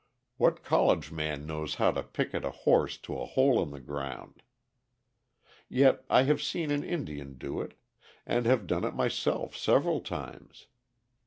What college man knows how to picket a horse to a hole in the ground? Yet I have seen an Indian do it, and have done it myself several times.